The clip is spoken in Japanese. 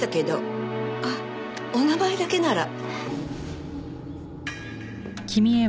あっお名前だけなら。